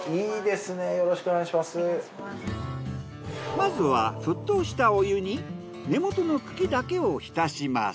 まずは沸騰したお湯に根元の茎だけを浸します。